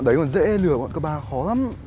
đằng đỉnh lễ